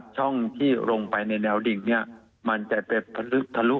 ช่องที่ลงไปในแนวดิ่งเนี่ยมันจะไปทะลุ